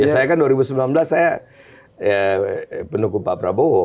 saya kan dua ribu sembilan belas saya pendukung pak prabowo